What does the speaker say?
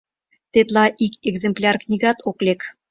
— Тетла ик экземпляр книгат ок лек.